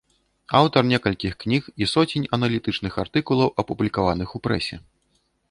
Аўтар некалькіх кніг і соцень аналітычных артыкулаў, апублікаваных у прэсе.